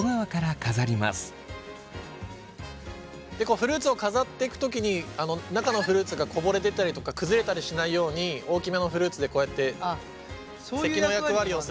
フルーツを飾っていく時に中のフルーツがこぼれ出たりとか崩れたりしないように大きめのフルーツでこうやって堰の役割をするので。